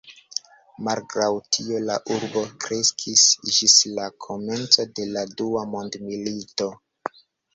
Malgraŭ tio, la urbo kreskis ĝis la komenco de la Dua mondmilito.